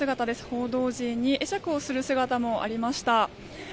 報道陣に会釈をする姿もありました。